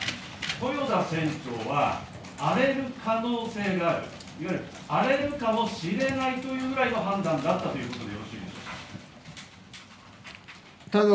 豊田船長は荒れる可能性がある、荒れるかもしれないというぐらいの判断だったということでよろしいでしょうか。